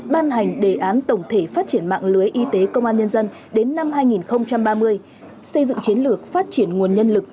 ban hành đề án tổng thể phát triển mạng lưới y tế công an nhân dân đến năm hai nghìn ba mươi xây dựng chiến lược phát triển nguồn nhân lực